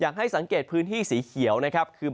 อยากให้สังเกตภูมิสีเขียวนะครับ